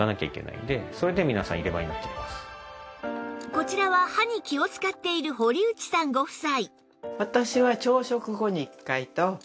こちらは歯に気を使っている堀内さんご夫妻